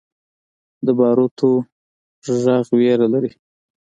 د باروتو غږ ویره لري.